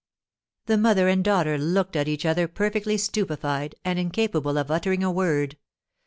'" The mother and daughter looked at each other perfectly stupefied, and incapable of uttering a word.